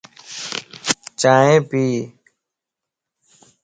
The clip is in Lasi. چائين پي